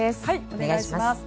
お願いします。